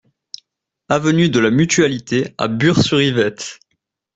Avenue de la Mutualité à Bures-sur-Yvette